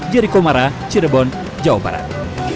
jericho mara cirebon jawa barat